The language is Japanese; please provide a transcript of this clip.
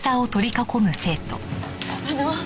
あの。